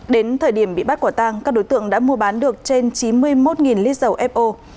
đến thời điểm bị bắt quả tang các đối tượng đã mua bán được trên chín mươi một lít dầu fo